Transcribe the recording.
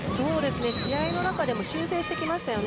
試合の中でも修正してきましたよね。